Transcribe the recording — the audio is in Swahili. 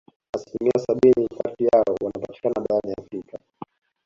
Asilimia sabini kati yao wanapatikana barani Afrika